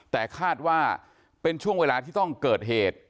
แต่คาดว่าเป็นช่วงเวลาที่ต้องเกิดเหตุ